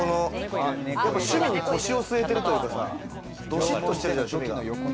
趣味に腰を据えてるというかさ、どしっとしてるでしょ。